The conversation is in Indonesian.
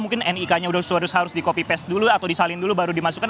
mungkin nik nya sudah harus di copy paste dulu atau disalin dulu baru dimasukkan